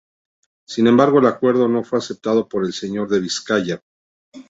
Sin embargo, el acuerdo no fue aceptado por el señor de Vizcaya.